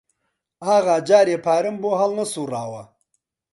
ئاغا جارێ پارەم بۆ هەڵنەسووڕاوە